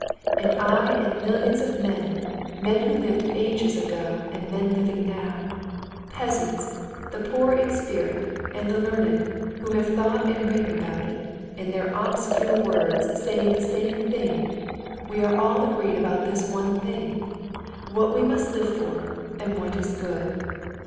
And I and millions of men, men who lived ages ago and men living now—peasants, the poor in spirit and the learned, who have thought and written about it, in their obscure words saying the same thing—we are all agreed about this one thing: what we must live for and what is good.